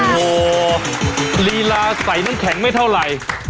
โอ้โหลีลาใส่น้ำแข็งไม่เท่าไหร่